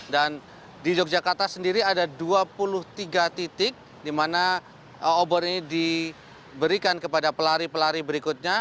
dan di yogyakarta sendiri ada dua puluh tiga titik di mana obor ini diberikan kepada pelari pelari berikutnya